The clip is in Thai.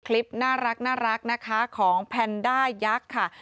คลิปน่ารักนะคะของแพนด้ายักษ์ค่ะ